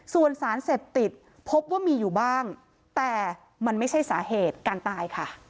ส่วนสารเสพติดพบว่ามีอยู่บ้างแต่มันไม่ใช่สาเหตุการตายค่ะ